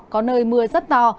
có nơi mưa rất to